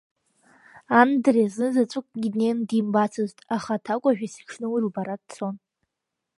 Андриа знызаҵәыкгьы днеины димбацызт, аха Аҭакәажә есҽны уи лбара дцон.